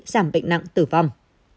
giảm bệnh nặng tử vong